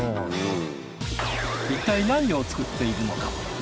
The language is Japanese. いったい何を作っているのか？